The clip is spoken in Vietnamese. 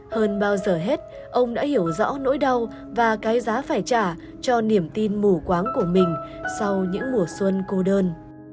hơn bao giờ hết ông đã hiểu rõ nỗi đau và cái giá phải trả cho niềm tin mù quáng của mình sau những mùa xuân cô đơn